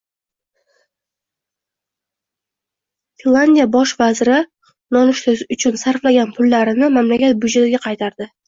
Finlyandiya bosh vaziri nonushta uchun sarflagan pullarini mamlakat budjetiga qaytardi